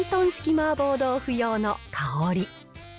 麻婆豆腐用の香り。